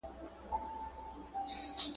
بدبختي په ژوند کي هر چا ته راتلای سي.